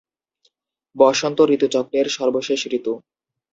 বসন্ত ঋতুচক্রের সর্বশেষ ঋতু।